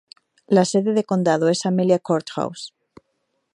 La sede de condado es Amelia Courthouse.